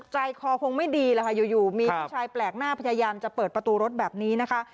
ใจคอคงไม่ดีแหละค่ะอยู่มีผู้ชายแปลกหน้าพยายามจะเปิดประตูรถแบบนี้นะคะ